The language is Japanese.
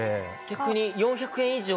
逆に４００円以上。